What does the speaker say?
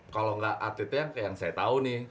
kalau gak atletnya yang saya tau nih